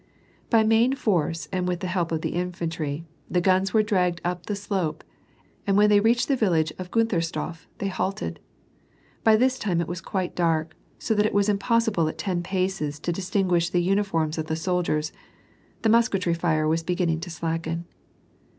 By main force and with the help of the infantry, the guns were dragged up the slope, and when they reached the village of Gunthersdorf, they halted. Hy this time it was quite dark, so that it was impossible at ten parses to distinguish the uni forms of the soldiers; the musketry tire was beginning to slacken.